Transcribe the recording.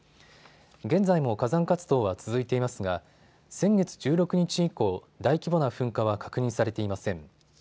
現在も火山活動は続いていますが先月１６日以降、大規模な噴火は確認されていません。